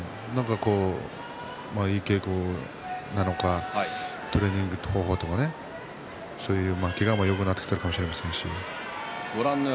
いい稽古なのかトレーニング方法とかねけがもよくなったかもしれませんし。